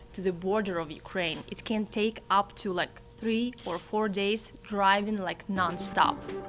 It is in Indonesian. bisa menjauhkan tiga atau empat hari berjalan tanpa berhenti